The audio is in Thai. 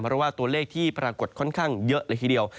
เพราะว่าตัวเลขที่ปรากฏค่อนข้างเยอะเลยทีเดียว